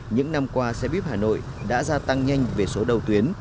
những năm qua xe buýt hà nội đã gia tăng nhanh về số đầu tuyến